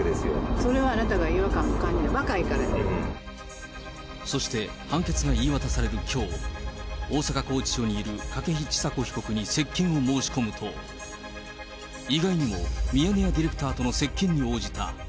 それはあなたが違和感を感じるのは、そして、判決が言い渡されるきょう、大阪拘置所にいる筧千佐子被告に接見を申し込むと、意外にもミヤネ屋ディレクターとの接見に応じた。